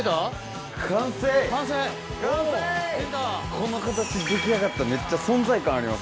この形出来上がったらめっちゃ存在感ありますね。